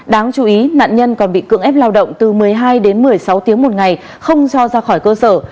đáng chú ý nạn nhân còn bị cưỡng ép lao động từ một mươi hai đến một mươi sáu tiếng một ngày không cho ra khỏi cơ sở